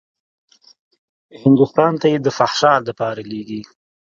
هندوستان ته يې د فحشا دپاره لېږي.